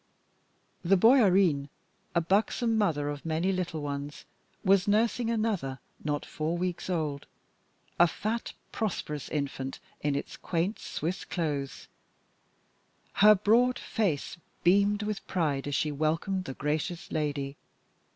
The Bäuerin, a buxom mother of many little ones, was nursing another not four weeks old, a fat, prosperous infant in its quaint Swiss clothes. Her broad face beamed with pride as she welcomed the gracious lady.